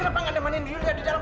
kenapa tidak menemani julia di dalam